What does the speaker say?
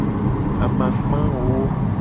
Amakpa ewo.